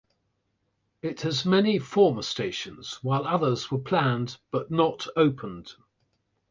It has many former stations, while others were planned but not opened.